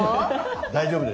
大丈夫ですか？